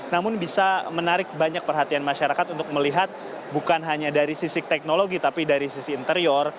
namun bisa menarik banyak perhatian masyarakat untuk melihat bukan hanya dari sisi teknologi tapi dari sisi interior